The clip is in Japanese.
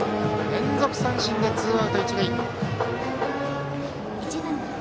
連続三振でツーアウト、一塁。